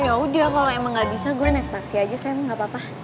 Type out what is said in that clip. yaudah kalo emang gabisa gua naik taksi aja sen gapapa